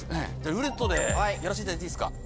「ルーレット」でやらせていただいていいですか？